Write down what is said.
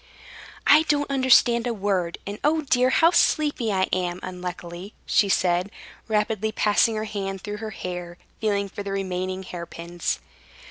"I don't understand a word. And, oh dear! how sleepy I am, unluckily," she said, rapidly passing her hand through her hair, feeling for the remaining hairpins.